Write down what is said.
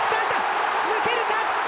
抜けるか！